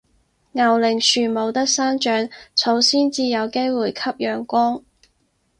牛令樹冇得生長，草先至有機會吸陽光